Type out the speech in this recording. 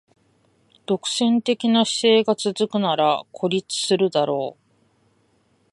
独占的な姿勢が続くなら孤立するだろう